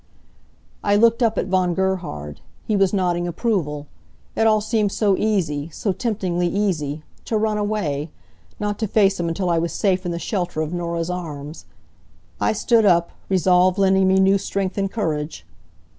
I looked up at Von Gerhard. He was nodding approval. It all seemed so easy, so temptingly easy. To run away! Not to face him until I was safe in the shelter of Norah's arms! I stood up, resolve lending me new strength and courage.